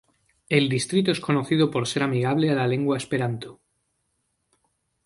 El distrito es conocido por ser amigable a la lengua esperanto.